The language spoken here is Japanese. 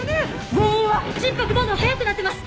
⁉原因は⁉心拍どんどん速くなってます！